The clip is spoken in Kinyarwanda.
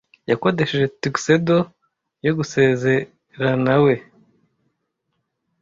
yakodesheje tuxedo yo gusezeranawe.